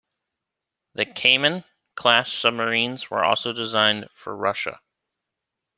The "Kaiman"-class submarines were also designed for Russia.